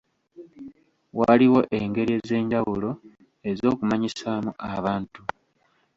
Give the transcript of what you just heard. Waliwo engeri ez'enjawulo ez'okumanyisaamu abantu.